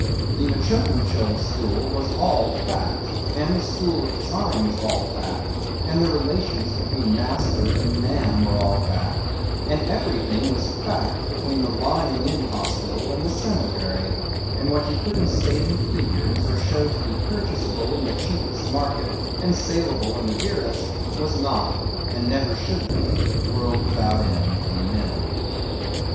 The M'Choakumchild school was all fact, and the school of design was all fact, and the relations between master and man were all fact, and everything was fact between the lying in hospital and the cemetery, and what you couldn't state in figures, or show to be purchaseable in the cheapest market and saleable in the dearest, was not, and never should be, world without end, Amen.